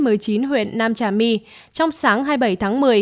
dịch covid một mươi chín huyện nam trà my trong sáng hai mươi bảy tháng một mươi